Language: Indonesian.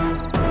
bernama si irma